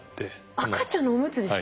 赤ちゃんのおむつですか？